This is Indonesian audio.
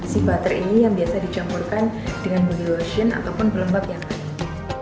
si butter ini yang biasa dicampurkan dengan body lotion ataupun pelembab yang lain